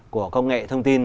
của công nghệ thông tin